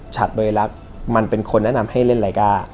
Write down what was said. ฉัดบริรักษ์มันเป็นคนแนะนำให้เล่นรายการ